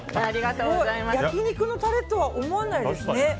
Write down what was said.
焼き肉のタレとは思えないですね。